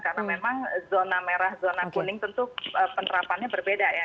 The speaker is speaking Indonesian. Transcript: karena memang zona merah zona kuning tentu penerapannya berbeda ya